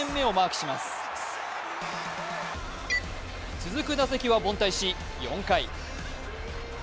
続く打席は凡退し、４回。